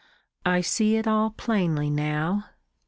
I see it all plainly now.